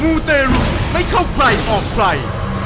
ูเตรุไม่เข้าใครออกใคร